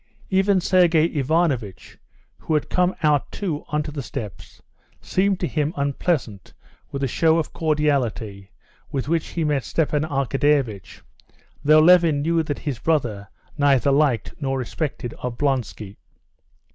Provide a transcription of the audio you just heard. Even Sergey Ivanovitch, who had come out too onto the steps, seemed to him unpleasant with the show of cordiality with which he met Stepan Arkadyevitch, though Levin knew that his brother neither liked nor respected Oblonsky.